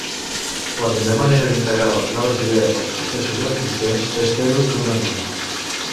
La millor manera d'integrar les noves idees als processos existents és fer-ho d'una en una.